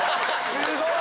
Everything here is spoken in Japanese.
すごい！